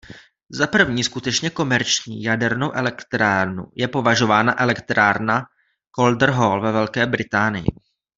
Za první skutečně komerční jadernou elektrárnu je považována elektrárna Calder Hall ve Velké Británii.